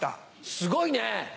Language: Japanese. すごいね。